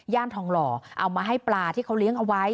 ทองหล่อเอามาให้ปลาที่เขาเลี้ยงเอาไว้